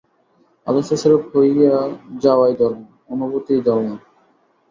আদর্শস্বরূপ হইয়া যাওয়াই ধর্ম, অনুভূতিই ধর্ম।